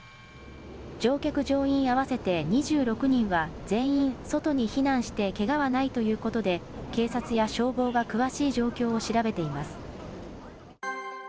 乗客・乗員合わせて２６人は、全員外に避難してけがはないということで、警察や消防が詳しい状況を調べています。